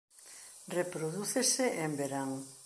Reprodúcese en verán.